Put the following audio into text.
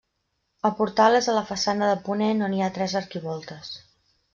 El portal és a la façana de ponent on hi ha tres arquivoltes.